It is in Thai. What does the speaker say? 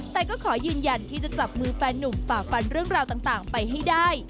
แต่ก็ขอยืนยันที่จะจับมือแฟนนุ่มฝากฟันเรื่องราวต่างไปให้ได้